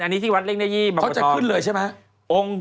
อันนี้ที่วัดเล่งระยิบมกฐอง